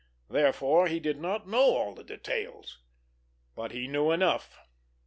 Therefore he did not know all the details, but he knew enough!